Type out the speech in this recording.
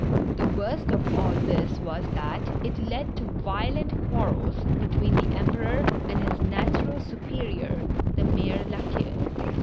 The worst of all this was that it led to violent quarrels between the Emperor and his natural superior, the Mayor La Queue.